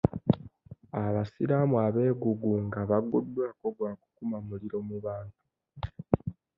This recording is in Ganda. Abasiraamu abegugunga baguddwako gwakukuma muliro mu bantu.